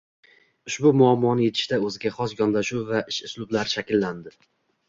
Ushbu muammoni yechishda o‘ziga xos yondashuv va ish uslublari shakllandi.